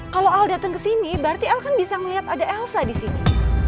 kalau al datang ke sini berarti al kan bisa melihat ada elsa di sini